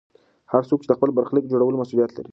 هر څوک د خپل برخلیک د جوړولو مسوولیت لري.